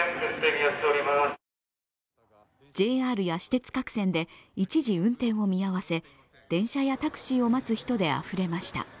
ＪＲや私鉄各線で一時、運転を見合わせ電車やタクシーを待つ人であふれました。